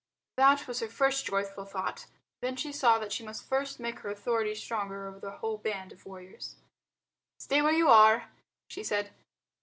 That was her first joyful thought. Then she saw that she must first make her authority stronger over the whole band of warriors. "Stay where you are," she said.